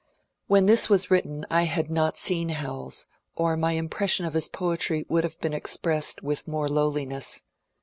When this was written I had not seen Howells, or my impression of his poetry would have been expressed with more lowliness.